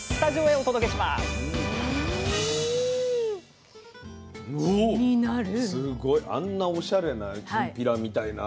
おっすごい！あんなおしゃれなきんぴらみたいな料理すごいね。